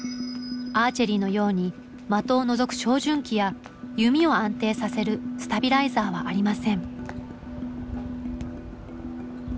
アーチェリーのように的をのぞく照準器や弓を安定させるスタビライザーはありません。